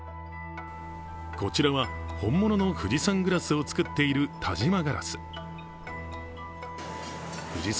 こちらは本物の富士山グラスを作っている田島硝子。